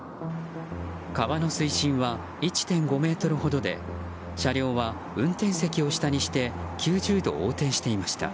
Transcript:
川の水深は１．５ｍほどで車両は運転席を下にして９０度横転していました。